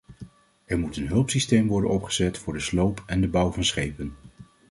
Er moet een hulpsysteem worden opgezet voor de sloop en de bouw van schepen.